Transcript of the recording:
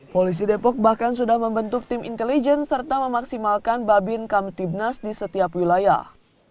polisi depok bahkan sudah membentuk tim intelijen serta memaksimalkan babin kamtibnas di setiap wilayah